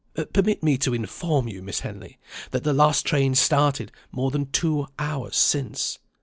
"Permit me to inform you, Miss Henley, that the last train started more than two hours since."